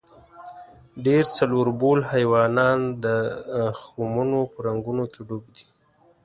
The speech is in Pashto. ډېر څلوربول حیوانان د خمونو په رنګونو کې ډوب دي.